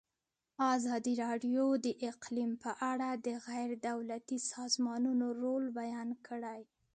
ازادي راډیو د اقلیم په اړه د غیر دولتي سازمانونو رول بیان کړی.